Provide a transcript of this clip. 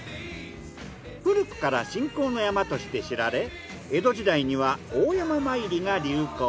古くから信仰の山として知られ江戸時代には大山参りが流行。